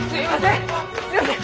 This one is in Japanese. すみません！